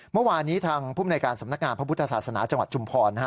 เมื่อวานนี้ทางภูมิในการสำนักงานพระพุทธศาสนาจังหวัดชุมพร